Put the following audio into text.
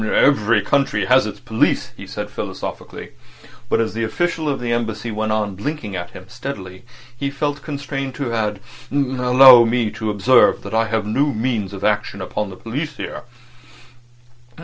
"Every country has its police," he said philosophically. But as the official of the Embassy went on blinking at him steadily he felt constrained to add: "Allow me to observe that I have no means of action upon the police here."